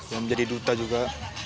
dan menjadi duta juga